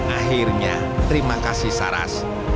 akhirnya terima kasih saras